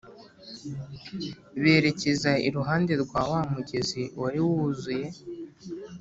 berekeza iruhande rwa wa mugezi wari wuzuye